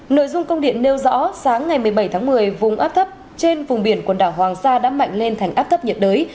nội dung công điện nêu rõ sáng ngày một mươi bảy tháng một mươi vùng áp thấp trên vùng biển quần đảo hoàng sa đã mạnh lên thành áp thấp nhiệt đới